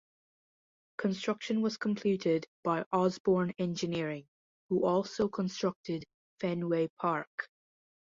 Construction was completed by Osborn Engineering, who also constructed Fenway Park.